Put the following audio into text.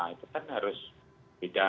itu kan harus beda